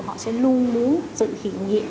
họ sẽ luôn muốn sự hiện diện